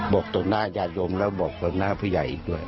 บอกตรงหน้ายานยมแล้วบอกตรงหน้า